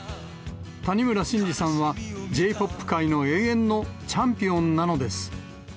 谷村新司さんはＪーＰＯＰ界の永遠のチャンピオンなのです。